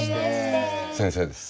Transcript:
先生です。